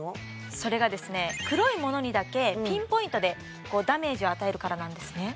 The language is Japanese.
それがですね黒いものにだけピンポイントでダメージを与えるからなんですね